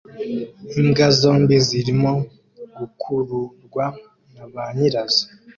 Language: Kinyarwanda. Imbwa zombi zirimo gukururwa na ba nyirazo